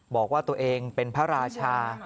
บอกว่าตัวเองเป็นพระราชา